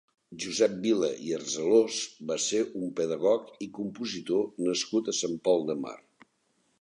Josep Vila i Arcelós va ser un pedagog i compositor nascut a Sant Pol de Mar.